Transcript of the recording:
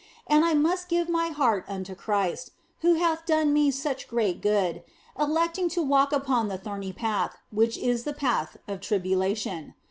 And I must give my heart unto Christ (who hath done me such great good), electing to walk upon the thorny path, which is the path of tribulation.